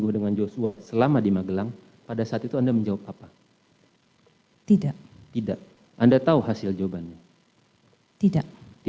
bagaimana dengan ini